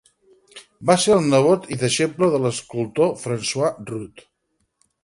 Va ser el nebot i deixeble de l'escultor François Rude.